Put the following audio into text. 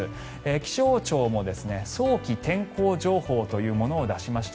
気象庁も早期天候情報というものを出しました。